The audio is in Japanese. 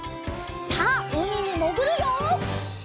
さあうみにもぐるよ！